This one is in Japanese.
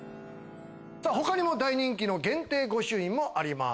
他にも大人気の限定御朱印もあります。